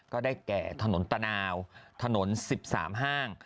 แก่ถนนตะนาวถนนสิบสามห้าง